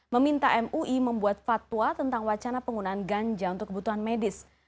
meminta mui membuat fatwa tentang wacana penggunaan ganja untuk kebutuhan medis